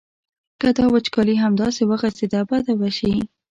که دا وچکالي همداسې وغځېده بده به شي.